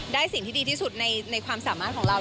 สิ่งที่ดีที่สุดในความสามารถของเรา